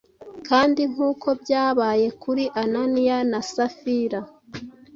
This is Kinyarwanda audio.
kandi nk’uko byabaye kuri Ananiya na Safira,